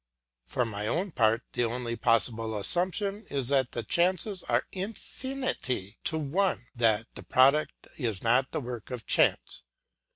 For my own part the only possible assumption is that the chances are infinity to one that the product is not the work of chance.